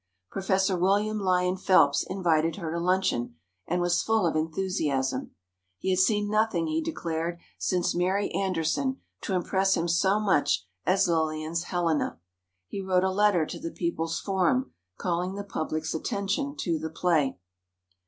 Professor William Lyon Phelps invited her to luncheon, and was full of enthusiasm. He had seen nothing, he declared, since Mary Anderson, to impress him so much as Lillian's Helena. He wrote a letter to the "People's Forum," calling the public's attention to the play.